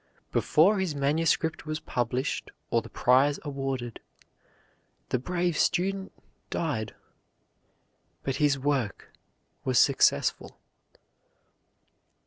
Before his manuscript was published or the prize awarded, the brave student died, but his work was successful.